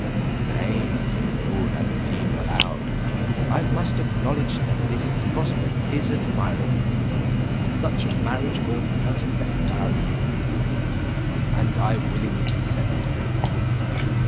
"Nay," said Noor ad Deen aloud, "I must acknowledge that this prospect is admirable; such a marriage will perfect our union, and I willingly consent to it.